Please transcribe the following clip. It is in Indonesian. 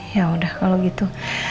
ya udah kalau gitu